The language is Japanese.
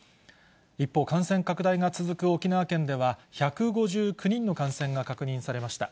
一方、感染拡大が続く沖縄県では、１５９人の感染が確認されました。